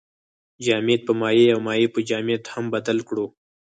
جامد په مایع او مایع په جامد هم بدل کړو.